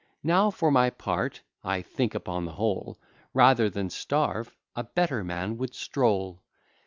Now, for my part, I think, upon the whole, Rather than starve, a better man would stroll.